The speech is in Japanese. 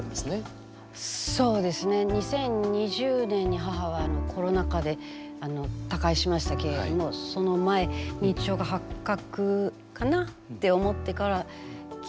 そうですね２０２０年に母はコロナ禍で他界しましたけれどもその前認知症が発覚かなって思ってから９年半ぐらいだったかしら？